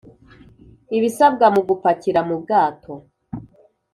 ibisabwa mu gupakira mu bwato